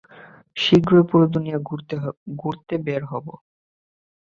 শীঘ্রই পুরো দুনিয়া ঘুরতে বের হব।